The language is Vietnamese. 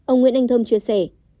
ông nguyên anh thơm chia sẻ